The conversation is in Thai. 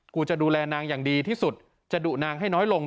กูจะดูแลนางอย่างดีที่สุดจะดุนางให้น้อยลง